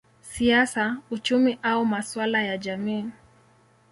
siasa, uchumi au masuala ya jamii.